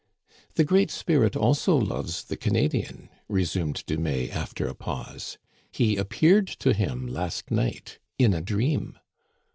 " The Great Spirit also loves the Canadian," resumed Dumais after a pause ;" he appeared to him last night in a dream."